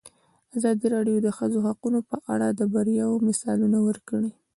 ازادي راډیو د د ښځو حقونه په اړه د بریاوو مثالونه ورکړي.